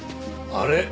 あれ？